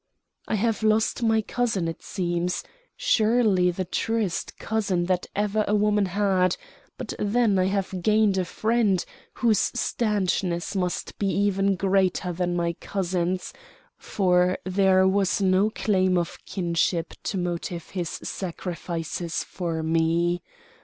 "I have lost my cousin, it seems surely the truest cousin that ever a woman had; but then I have gained a friend whose stanchness must be even greater than my cousin's, for there was no claim of kinship to motive his sacrifices for me.